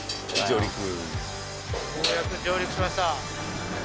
ようやく上陸しました。